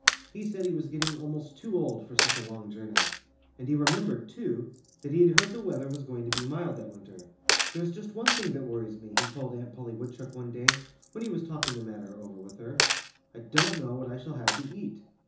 He said he was getting almost too old for such a long journey. And he remembered, too, that he had heard the weather was going to be mild that winter. "There's just one thing that worries me," he told Aunt Polly Woodchuck one day, when he was talking the matter over with her. "I don't know what I shall have to eat."